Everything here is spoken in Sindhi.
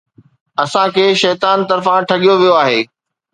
اسان کي شيطان طرفان ٺڳيو ويو آهي